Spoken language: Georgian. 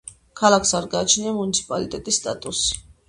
ქალაქს არ გააჩნია მუნიციპალიტეტის სტატუსი.